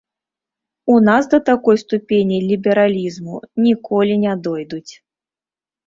У нас да такой ступені лібералізму ніколі не дойдуць.